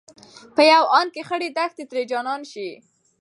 په يو آن کې خړې دښتې ترې جنان شي